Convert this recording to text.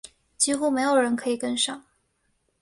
几乎没有人可以跟上